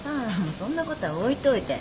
そんなことは置いといて。